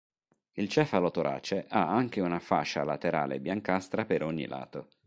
Il cefalotorace ha anche una fascia laterale biancastra per ogni lato.